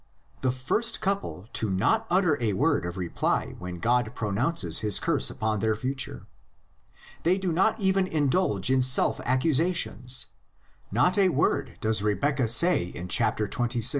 The first couple do not utter a word of reply when God pronounces his curse upon their future: they do not even indulge in self accusations; not a word does Rebeccah say in chapter xxvi.